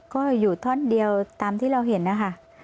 ก็อยู่ท่อนเดียวตามที่เราเห็นนะคะ